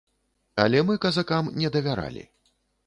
Але мы казакам не давяралі.